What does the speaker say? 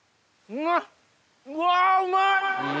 うわうまい！